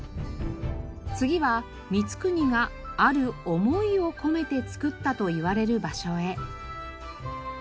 次は光圀がある思いを込めてつくったといわれる場所へ。